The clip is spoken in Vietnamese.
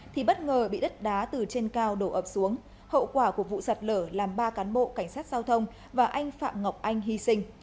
thì bất ngờ bị đất đá từ trên cao đổ ập xuống hậu quả của vụ sạt lở làm ba cán bộ cảnh sát giao thông và anh phạm ngọc anh hy sinh